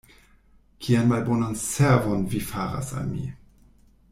Kian malbonan servon vi faras al mi!